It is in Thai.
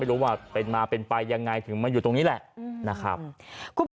ไม่รู้ว่าเป็นมาเป็นไปยังไงถึงมาอยู่ตรงนี้แหละนะครับ